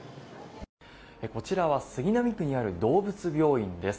こちらは杉並区にある動物病院です。